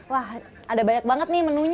wah ada banyak banget nih menunya